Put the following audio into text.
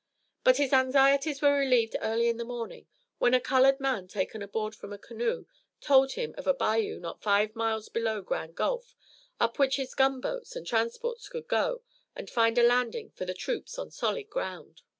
But his anxieties were relieved early in the morning when a colored man taken aboard from a canoe told him of a bayou not five miles below Grand Gulf up which his gunboats and transports could go and find a landing for the troops on solid ground.